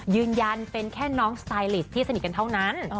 ยืนยันเป็นแค่น้องสไตลิสที่สนิทกันเท่านั้น